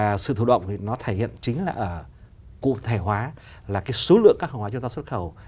và sự thụ động thì nó thể hiện chính là cụ thể hóa là cái số lượng các khẩu hóa chúng ta xuất khẩu